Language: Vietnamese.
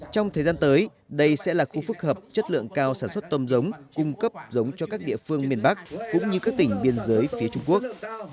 trong thời gian tới đây sẽ là khu phức hợp chất lượng cao sản xuất tôm giống cung cấp giống cho các địa phương miền bắc cũng như các tỉnh biên giới phía trung quốc